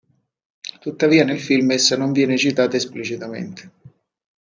Tuttavia nel film essa non viene citata esplicitamente.